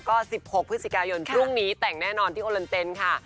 ก็๑๖พฤศจิกายนพรุ่งนี้แต่งแน่นอนที่โอลันเต็นค่ะ